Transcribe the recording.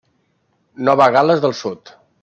Nova Gal·les del Sud.